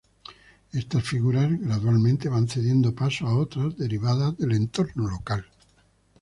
Estas figuras gradualmente van cediendo paso a otras derivadas del entorno local.